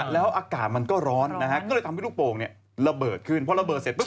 แล้วอากาศมันก็ร้อนทำให้ลูกโปรงเริ่มเผลอเสร็จ